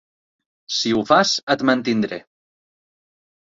Si ho fas, et mantindré.